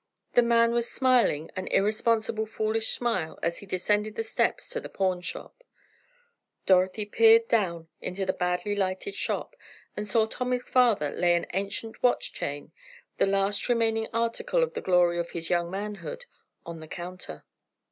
The man was smiling an irresponsible, foolish smile as he descended the steps to the pawnshop. Dorothy peered down into the badly lighted shop, and saw Tommy's father lay an ancient watch chain, the last remaining article of the glory of his young manhood, on the counter.